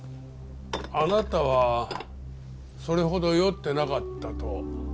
あなたはそれほど酔ってなかったと。